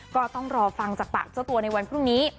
ก็ต้องรอฟังจากปากเจ้าตัวในวันพรุ่งนี้